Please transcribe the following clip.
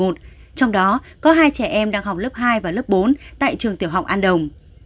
trong đó có hai trẻ em đang học lớp hai và lớp bốn tại trường tiểu học an đồng